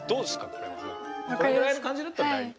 これぐらいの感じだったら大丈夫？